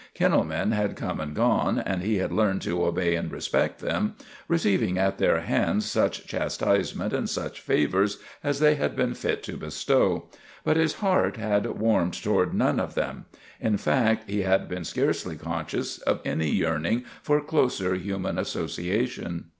Ken nel men had come and gone, and he had learned to obey and respect them, receiving at their hands such chastisement and such favors as they had seen fit to bestow. But his heart had warmed toward none of them; in fact, he had been scarcely conscious of any yearning for closer human association.